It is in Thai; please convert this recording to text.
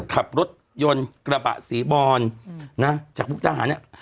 ขับรถยนต์กระบะสีบอลนะจากมุกดาหารเนี่ย